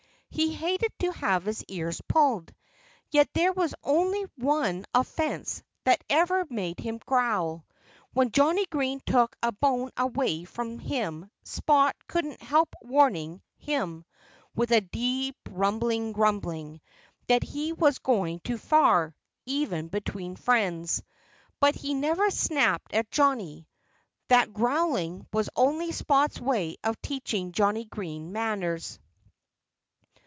He hated to have his ears pulled. Yet there was only one offense that ever made him growl. When Johnnie Green took a bone away from him Spot couldn't help warning him, with a deep, rumbling grumbling, that he was going too far, even between friends. But he never snapped at Johnnie. That growling was only Spot's way of teaching Johnnie Green manners.